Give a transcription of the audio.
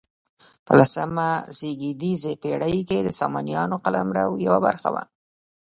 په لسمه زېږدیزې پیړۍ کې د سامانیانو قلمرو یوه برخه وه.